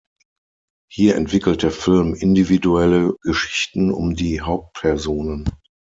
Hier entwickelt der Film individuelle Geschichten um die Hauptpersonen.